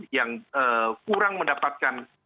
yang kurang mendapatkan perhatian